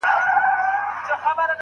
هغه پوهنتون چي اصول لري ښه پرمختګ کوي.